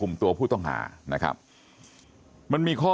ลูกสาวหลายครั้งแล้วว่าไม่ได้คุยกับแจ๊บเลยลองฟังนะคะ